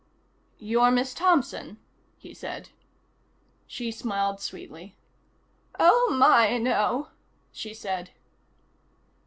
"You're Miss Thompson?" he said. She smiled sweetly. "Oh, my, no," she said.